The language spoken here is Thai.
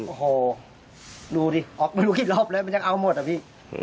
โอ้โหดูดิออกไม่รู้กี่รอบแล้วมันยังเอาหมดอะพี่